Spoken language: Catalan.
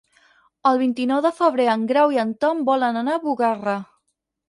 El vint-i-nou de febrer en Grau i en Tom volen anar a Bugarra.